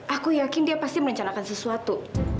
aku yakin dia pasti merencanakan sesuatu